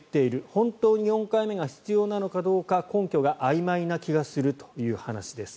本当に４回目が必要なのかどうか根拠があいまいな気がするという話です。